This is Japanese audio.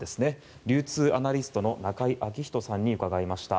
流通アナリストの中井彰人さんに伺いました。